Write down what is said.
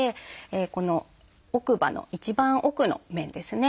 この奥歯の一番奥の面ですね。